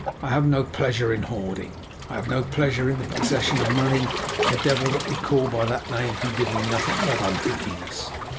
I have no pleasure in hoarding. I have no pleasure in the possession of money, The devil that we call by that name can give me nothing but unhappiness.